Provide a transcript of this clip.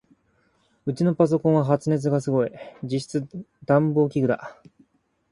ウチのパソコンは発熱がすごい。実質暖房器具だ。